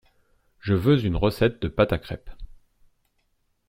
Je veux une recette de pâte à crêpes